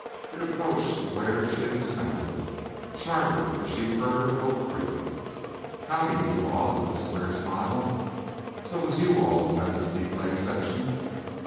It approached to where she had dismounted. Charley, the sheep herder of Oak Creek! "Howdy!" he drawled, with his queer smile. "So it was you all who had this Deep Lake section?"